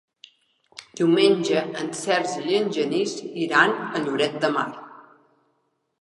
Diumenge en Sergi i en Genís iran a Lloret de Mar.